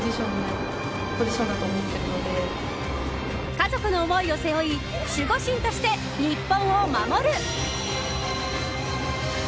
家族の思いを背負い守護神として日本を守る！